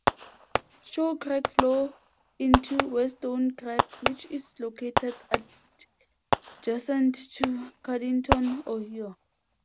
Shaw Creek flows into Whetstone Creek which is located adjacent to Cardington, Ohio.